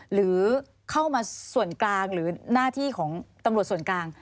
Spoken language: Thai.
หรือเข้ามาส่วนกลางหรือหน้าที่ของตำรวจส่วนกลาง